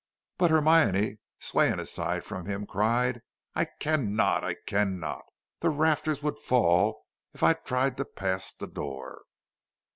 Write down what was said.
But Hermione, swaying aside from him, cried: "I cannot, I cannot; the rafters would fall if I tried to pass the door."